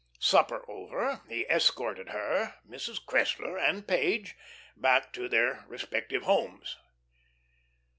Supper over, he escorted her, Mrs. Cressler, and Page back to their respective homes.